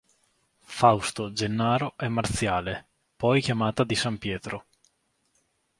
Fausto, Gennaro e Marziale, poi chiamata di S. Pietro.